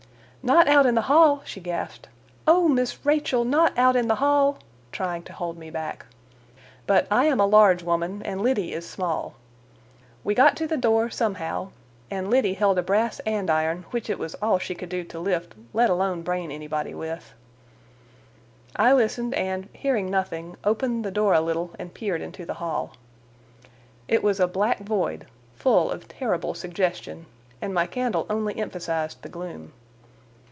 "Not out in the hall!" she gasped; "Oh, Miss Rachel, not out in the hall!" trying to hold me back. But I am a large woman and Liddy is small. We got to the door, somehow, and Liddy held a brass andiron, which it was all she could do to lift, let alone brain anybody with. I listened, and, hearing nothing, opened the door a little and peered into the hall. It was a black void, full of terrible suggestion, and my candle only emphasized the gloom.